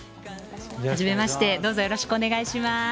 はじめましてどうぞよろしくお願いします。